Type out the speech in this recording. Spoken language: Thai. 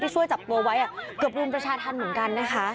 ช่วยจับตัวไว้เกือบรุมประชาธรรมเหมือนกันนะคะ